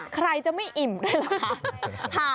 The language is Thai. ใครจะไม่อิ่มด้วยเหรอคะ